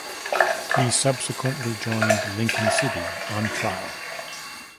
He subsequently joined Lincoln City on trial.